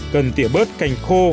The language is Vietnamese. cần tỉa bớt cành khô